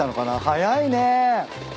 早いね。